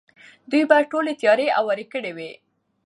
دوی به ټولې تیارې هوارې کړې وي.